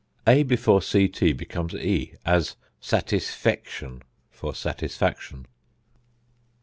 a before ct becomes e; as satisfection, for satisfaction.